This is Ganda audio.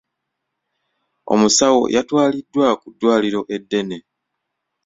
Omusawo yatwaliddwa ku ddwaliro eddala.